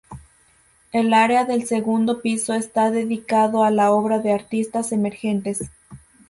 El área del segundo piso está dedicado a la obra de artistas emergentes.